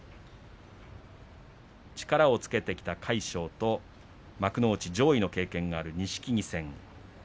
力をつけてきた魁勝と幕内上位の経験がある錦木戦。